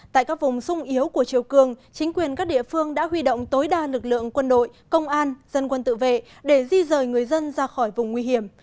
tại các vùng sung yếu của chiều cường chính quyền các địa phương đã huy động tối đa lực lượng quân đội công an dân quân tự vệ để di rời người dân ra khỏi vùng nguy hiểm